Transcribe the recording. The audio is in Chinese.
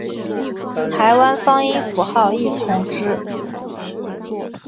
台湾方音符号亦从之。